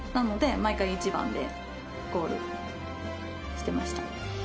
毎回１番でゴールしてました。